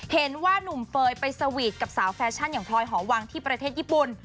เห็นว่านุ่มเฟย์ไปสวีทกับสาวแฟชั่นอย่างพลอยหอวังที่ประเทศญี่ปุ่น